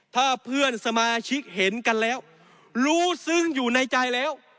ถ้าเพื่อนสมาชิกเห็นกันแล้วรู้ซึ้งอยู่ในใจแล้ว